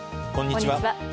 こんにちは。